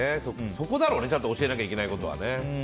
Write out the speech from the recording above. そこだろうね教えなきゃいけないことは。